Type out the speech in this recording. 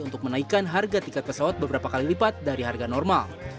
untuk menaikkan harga tiket pesawat beberapa kali lipat dari harga normal